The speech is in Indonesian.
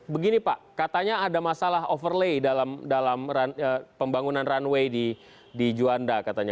begini pak katanya ada masalah overlay dalam pembangunan runway di juanda katanya